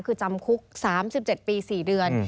คือจำคุก๓๗ปี๔เดือน